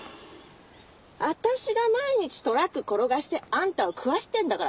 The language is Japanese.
私が毎日トラック転がしてあんたを食わしてんだからね。